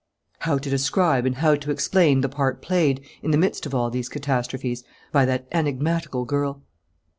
How to describe and how to explain the part played, in the midst of all these catastrophes, by that enigmatical girl?